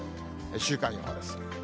週間予報です。